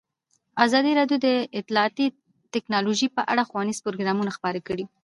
ازادي راډیو د اطلاعاتی تکنالوژي په اړه ښوونیز پروګرامونه خپاره کړي.